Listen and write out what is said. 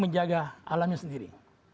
menjaga alamnya sendiri